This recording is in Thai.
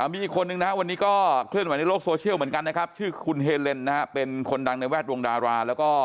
มีอีกคนนึงวันนี้เคลื่อนไหวในโลกโซเชียลเชื่อคุณเฮเลนเป็นคนดังในแวทวงดารา